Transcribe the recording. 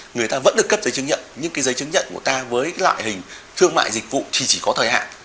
người ta vẫn được cấp giấy chứng nhận nhưng cái giấy chứng nhận của ta với loại hình thương mại dịch vụ chỉ có thời hạn